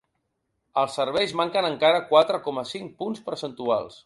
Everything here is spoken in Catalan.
Als serveis, manquen encara quatre coma cinc punts percentuals.